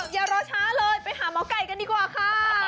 อย่ารอช้าเลยไปหาหมอไก่กันดีกว่าค่ะ